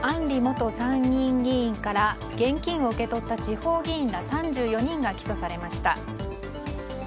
里元参議院議員から現金を受け取った地方議員ら３４人が起訴されました。